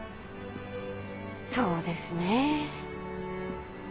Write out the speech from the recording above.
そうですねぇ。